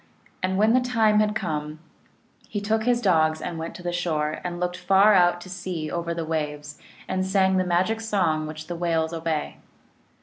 And when the time had come, he took his dogs and went to the shore, and looked far out to sea over the waves, and sang the magic song which the whales obey.